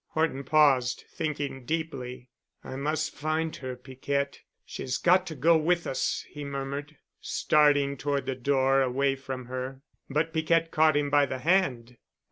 Horton paused, thinking deeply. "I must find her, Piquette. She's got to go with us," he murmured, starting toward the door away from her. But Piquette caught him by the hand.